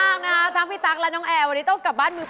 แตกต่างจากบ้านแม่อืมนะคะนะก็ตามมา